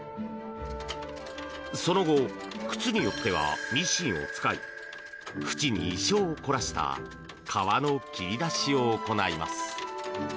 その後、靴によってはミシンを使い縁に意匠を凝らした革の切り出しを行います。